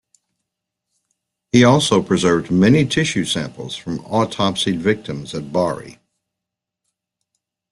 He also preserved many tissue samples from autopsied victims at Bari.